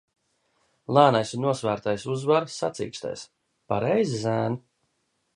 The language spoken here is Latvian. Lēnais un nosvērtais uzvar sacīkstēs, pareizi, zēn?